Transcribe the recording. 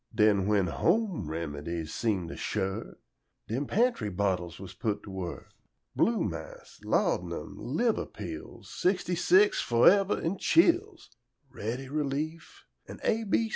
Den when home remedies seem to shirk, Dem pantry bottles was put to work: Blue mass, laud'num, liver pills, "Sixty six, fo' fever an' chills," Ready Relief, an' A.